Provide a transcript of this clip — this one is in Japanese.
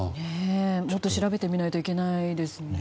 もっと調べてみないといけないですね。